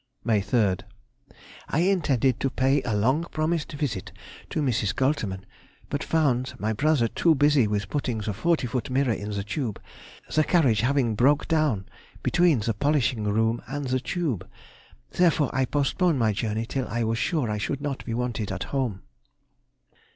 May 3rd.—I intended to pay a long promised visit to Mrs. Goltermann, but found my brother too busy with putting the forty foot mirror in the tube, the carriage having broke down between the polishing room and the tube. Therefore I postponed my journey till I was sure I should not be wanted at home.